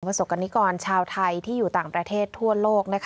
ประสบกันนี้ก่อนชาวไทยที่อยู่ต่างประเทศทั่วโลก